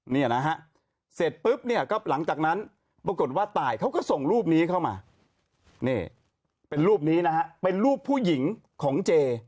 เนี่ยนะฮะเสร็จปุ๊บเนี่ยก็หลังจากนั้นปรากฏว่าตายเขาก็ส่งรูปนี้เข้ามานี่เป็นรูปนี้นะฮะเป็นรูปผู้หญิงของเจ